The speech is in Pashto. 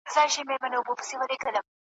نوم یې هري دی په ځان غره دی ,